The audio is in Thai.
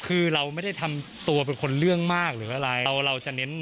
คือเราไม่ได้ทำตัวเป็นคนเรื่องมากหรืออะไร